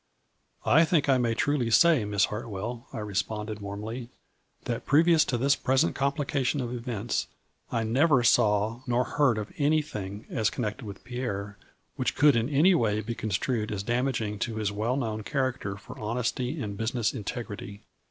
.4 FLURRY IN DIAMONDS. 153 " I think I may truly say, Miss Hartwell," I responded, warmly, " that previous to this pres ent complication of events, I never saw nor heard of anything, as connected with Pierre, which could in any way be construed as damaging to his well known character for honesty and busi ness integrity.